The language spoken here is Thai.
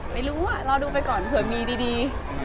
ไม่รู้รอดูไปก่อนเผื่อมีดี